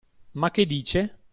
Ma che dice?